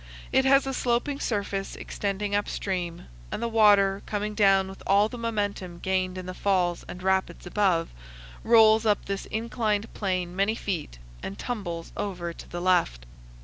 It has a sloping surface extending up stream, and the water, coming down with all the momentum gained in the falls and rapids above, rolls up this inclined plane many feet, and tumbles over to the left.